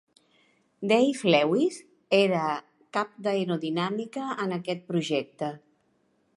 Dave Lewis era cap d'aerodinàmica en aquest projecte.